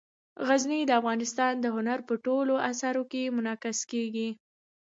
غزني د افغانستان د هنر په ټولو اثارو کې منعکس کېږي.